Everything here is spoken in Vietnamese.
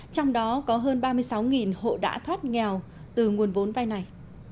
trong đó có hơn ba mươi sáu hộ đã thoát nghèo từ nguồn vốn vai này